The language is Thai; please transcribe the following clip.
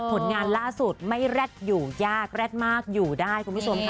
ผลงานล่าสุดไม่แร็ดอยู่ยากแร็ดมากอยู่ได้คุณผู้ชมค่ะ